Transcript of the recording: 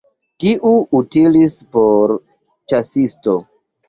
Tiu utilis por ĉasisto.